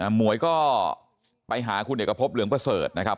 หมวยก็ไปหาคุณเอกพบเหลืองประเสริฐนะครับ